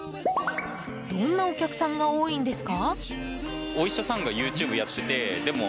どんなお客さんが多いんですか？